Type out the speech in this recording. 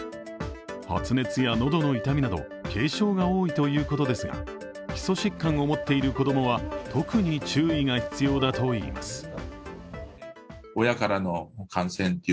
発熱や、喉の痛みなど軽症が多いということですが基礎疾患を持っている子供は特に注意が必要だといいます。